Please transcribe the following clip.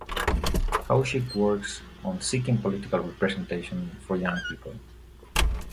Kaushik works on seeking political representation for young people.